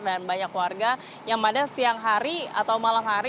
dan banyak warga yang pada siang hari atau malam hari